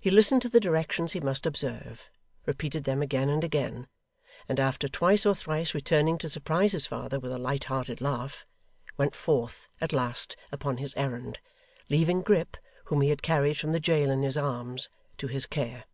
He listened to the directions he must observe, repeated them again and again, and after twice or thrice returning to surprise his father with a light hearted laugh, went forth, at last, upon his errand: leaving Grip, whom he had carried from the jail in his arms, to his care.